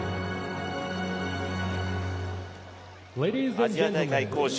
アジア大会杭州